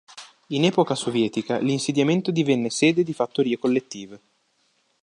In epoca sovietica, l'insediamento divenne sede di fattorie collettive.